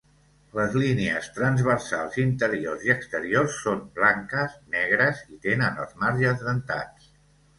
Les línies transversals interiors i exteriors són blanques, negres i tenen els marges dentats.